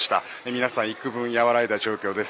皆さん、幾分和らいだ状況です。